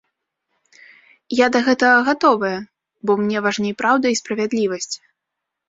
Я да гэтага гатовая, бо мне важней праўда і справядлівасць.